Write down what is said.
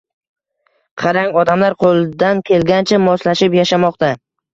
Qarang, odamlar qoʻldan kelgancha moslashib yashamoqda.